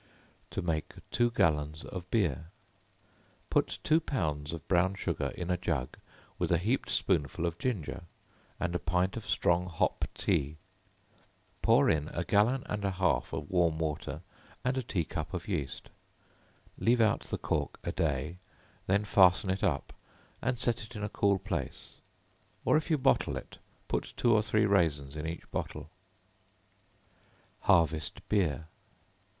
To Make Two Gallons of Beer. Put two pounds of brown sugar in a jug, with a heaped spoonful of ginger, and a pint of strong hop tea; pour in a gallon and a half of warm water, and a tea cup of yeast; leave out the cork a day then fasten it up, and set it in a cool place; or if you bottle it, put two or three raisins in each bottle. Harvest Beer.